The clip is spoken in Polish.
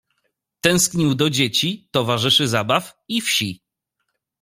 Tęsknił do dzieci, towarzyszy zabaw, i wsi.